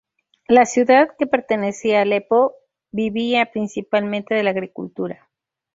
La ciudad, que pertenecía a Alepo, vivía principalmente de la agricultura.